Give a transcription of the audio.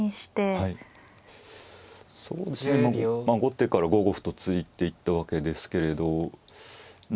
まあ後手から５五歩と突いていったわけですけれど。